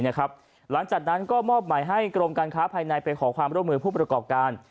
หลังจากนั้นก็มอบหมายให้กรมการค้าภายในไปขอความร่วมมือผู้ประกอบการ